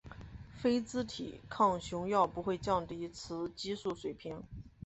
非甾体抗雄药不会降低雌激素水平。